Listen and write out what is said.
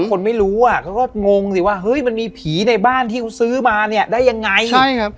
ที่คนไม่รู้อ่ะก็งงสิว่าเฮ้ยมันมีผีในบ้านที่ซื้อมาเนี่ยได้ยังไง